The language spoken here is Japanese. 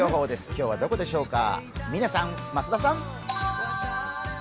今日はどこでしょうか、嶺さん、増田さん。